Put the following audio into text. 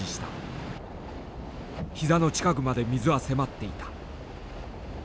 膝の近くまで水は迫っていた。